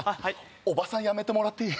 おばさんやめてもらっていい？